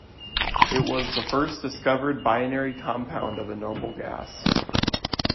It was the first discovered binary compound of a noble gas.